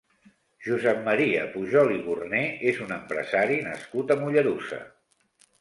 Josep Maria Pujol i Gorné és un empresari nascut a Mollerussa.